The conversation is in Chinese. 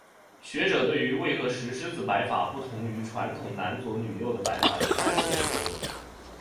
学者对于为何石狮子摆法不同于传统男左女右的摆法有三种推论。